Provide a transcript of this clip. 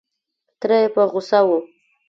تره یې په غوسه و.